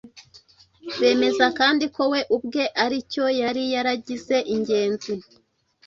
Bemeza kandi ko we ubwe ari cyo yari yaragize ingenzi